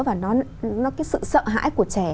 và nó cái sự sợ hãi của trẻ